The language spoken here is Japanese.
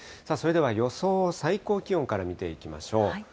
さあそれでは、予想最高気温から見ていきましょう。